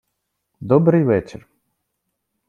Добрий вечір!